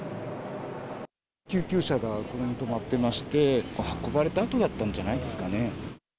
救急車がここに止まってまして、運ばれたあとだったんじゃないですかね。